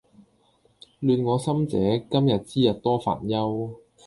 亂我心者，今日之日多煩憂